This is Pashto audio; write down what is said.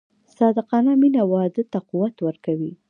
صادقانه مینه واده ته قوت ورکوي.